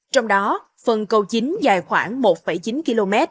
trong đó phần cầu chính dài khoảng một chín km